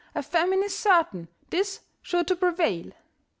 A famine is certain! 'Tis sure to prevail!"